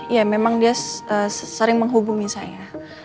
ya memang dia sering menghubungi saya